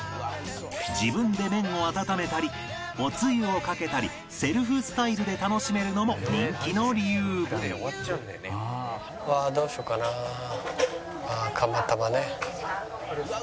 自分で麺を温めたりおつゆをかけたりセルフスタイルで楽しめるのも人気の理由ああ釜たまね。